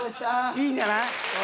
いいんじゃない？